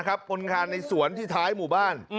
คนงานในสวนที่ท้ายหมู่บ้าน